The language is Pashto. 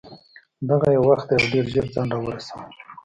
دغه یې وخت دی او ډېر ژر ځان را ورسوه.